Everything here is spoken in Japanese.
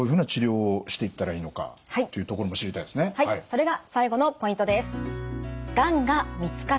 それが最後のポイントです。